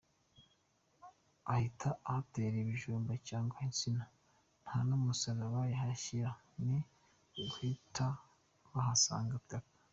Ahita ahatera ibijumba cyangwa insina, nta n’umusaraba bahashyira, ni uguhita bahasanza itaka.